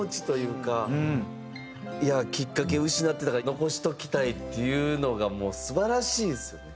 いやきっかけ失ってたから残しておきたいっていうのがもう素晴らしいですよね。